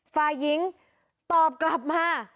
ฝ่ายหญิงตอบกลับมา